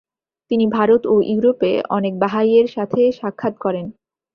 তিনি ভারত ও ইউরোপে অনেক বাহাইয়ের সাথে সাক্ষাৎ করেন।